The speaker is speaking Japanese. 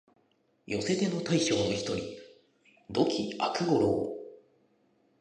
寄せ手の大将の一人、土岐悪五郎